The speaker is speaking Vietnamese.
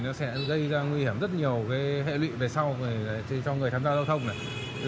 nó sẽ gây ra nguy hiểm rất nhiều hệ lụy về sau cho người tham gia giao thông